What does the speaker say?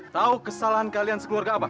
tahu kesalahan kalian sekeluarga apa